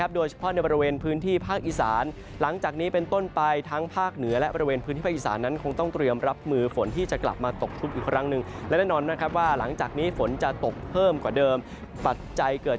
โดยเฉพาะในบริเวณพื้นที่ภาคอีสาน